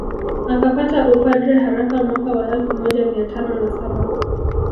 Akapata upadre haraka mwaka wa elfu moja mia tano na saba